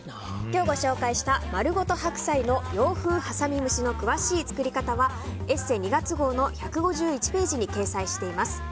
今日ご紹介したまるごと白菜の洋風はさみ蒸しの詳しい作り方は「ＥＳＳＥ」２月号の１５１ページに掲載しています。